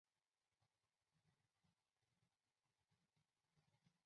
美国队在拳击项目上获得八个参赛席位。